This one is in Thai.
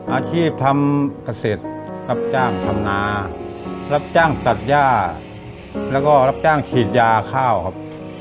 อาชีพทำเกษตรรับจ้างทำนารับจ้างตัดย่าแล้วก็รับจ้างฉีดยาข้าวครับ